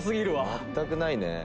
全くないね。